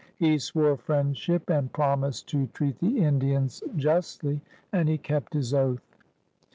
He swore friendship and promised to treat the Indians justly, and he kept his oath.